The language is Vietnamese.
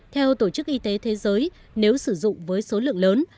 theo tổ chức y tế thế giới nếu sử dụng với số lượng lớn